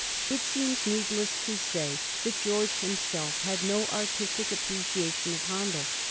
'' It seems needless to say that George himself had no artistic appreciation of Handel.